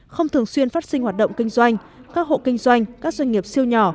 không thường xuyên phát sinh hoạt động kinh doanh các hộ kinh doanh các doanh nghiệp siêu nhỏ